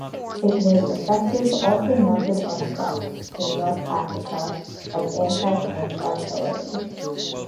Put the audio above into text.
It was effective also mounted on truck, in North Africa, as anti-tank artillery.